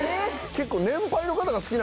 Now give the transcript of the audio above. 結構。